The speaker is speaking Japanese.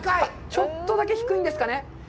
ちょっとだけ低いんですかね？